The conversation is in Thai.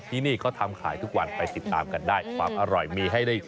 ที่นี่เขาทำขายทุกวันไปติดตามกันได้ความอร่อยมีให้ได้